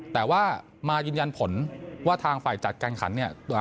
แต่ว่ามายืนยันผลว่าทางฝ่ายจัดการขันเนี่ย